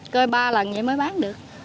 cơi ba lần vậy mới bán được